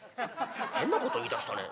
「変なこと言いだしたね。